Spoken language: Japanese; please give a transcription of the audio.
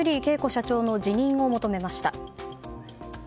社長の辞任を求めました。